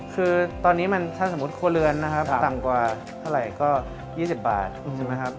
คือตอนนี้มันถ้าสมมุติครัวเรือนนะครับต่ำกว่าเท่าไหร่ก็๒๐บาทใช่ไหมครับ